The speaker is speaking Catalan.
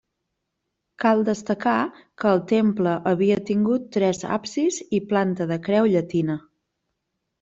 Cal destacar que el temple havia tingut tres absis i planta de creu llatina.